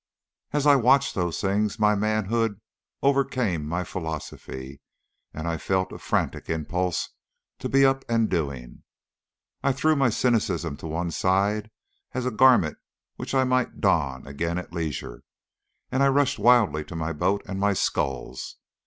As I watched those things my manhood overcame my philosophy, and I felt a frantic impulse to be up and doing. I threw my cynicism to one side as a garment which I might don again at leisure, and I rushed wildly to my boat and my sculls.